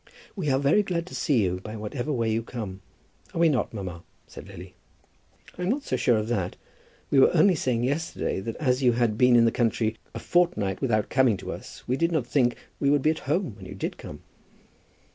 "We are very glad to see you, by whatever way you come; are we not, mamma?" said Lily. "I'm not so sure of that. We were only saying yesterday that as you had been in the country a fortnight without coming to us, we did not think we would be at home when you did come."